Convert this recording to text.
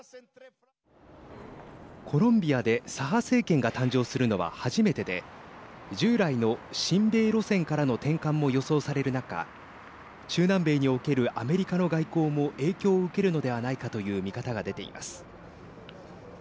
コロンビアで左派政権が誕生するのは初めてで従来の親米路線からの転換も予想される中中南米におけるアメリカの外交も影響を受けるのではないかという見方が出ています。